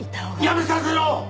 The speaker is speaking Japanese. やめさせろ！